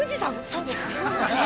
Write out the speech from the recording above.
◆そうですよ。